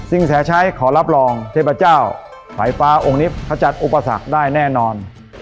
แสชัยขอรับรองเทพเจ้าไฟฟ้าองค์นี้ขจัดอุปสรรคได้แน่นอน